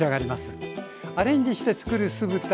アレンジして作る酢豚。